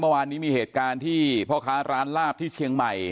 เมื่อวานนี้มีเหตุการณ์ที่พ่อค้าร้านลาบที่เชียงใหม่